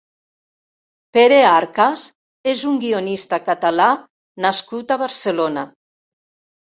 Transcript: Pere Arcas és un guionista catalá nascut a Barcelona.